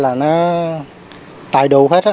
là nó tài đủ hết